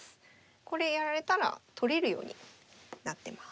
これやられたら取れるようになってます。